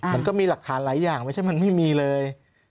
มันก็มีหลักฐานหลายอย่างไม่ใช่มันไม่มีเลย